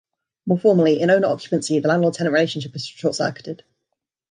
More formally, in owner-occupancy, the landlord-tenant relationship is short-circuited.